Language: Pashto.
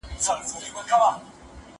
زه اوږده وخت کتاب وليکم؟